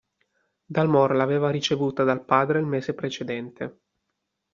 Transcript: Dalmor l'aveva ricevuta dal padre il mese precedente.